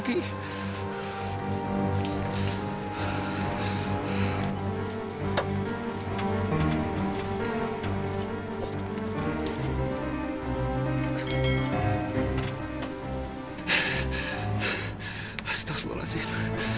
ya allah sabar ya sayang